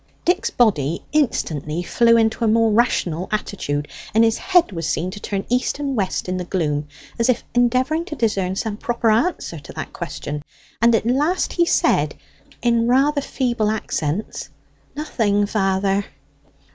Dick's body instantly flew into a more rational attitude, and his head was seen to turn east and west in the gloom, as if endeavouring to discern some proper answer to that question; and at last he said in rather feeble accents "Nothing, father."